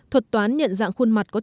thuật toán nhận dạng khuôn mặt